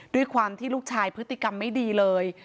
ด้วยความที่ลูกชายพฤติกรรมไม่ดีเลย